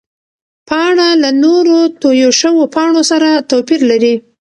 پاڼه له نورو تویو شوو پاڼو سره توپیر لري.